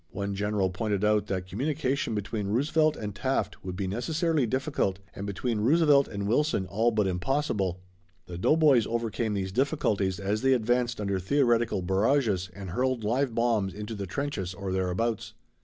One general pointed out that communication between Roosevelt and Taft would be necessarily difficult and between Roosevelt and Wilson all but impossible. The doughboys overcame these difficulties as they advanced under theoretical barrages and hurled live bombs into the trenches or thereabouts.